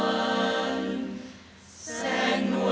อย่ามองก็ไม่เป็นไร